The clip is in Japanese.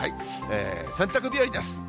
洗濯日和です。